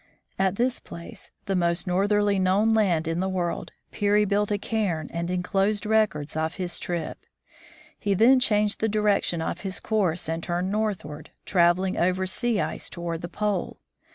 At this place, the most northerly known land in the world, Peary built a cairn and inclosed records of his trip. He then changed the direction of his course and turned northward, traveling over sea ice toward the pole.